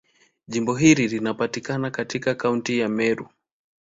Jimbo hili linapatikana katika Kaunti ya Meru.